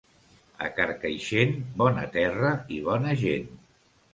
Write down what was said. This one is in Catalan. A Carcaixent, bona terra i bona gent.